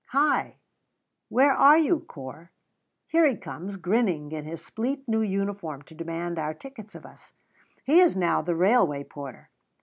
Hi, where are you, Corp? Here he comes, grinning, in his spleet new uniform, to demand our tickets of us. He is now the railway porter.